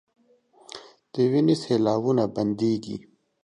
د وينو سېلاوو نه بنديږي